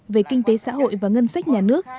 về kinh tế xã hội và ngân sách nhà nước